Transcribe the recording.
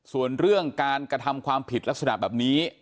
ส่วนเรื่องการกระทำความผิดลักษณะแบบนี้